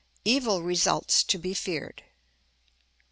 Evil Results to be feared.